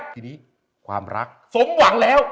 ทีนี้ความรักสมหวังแล้ว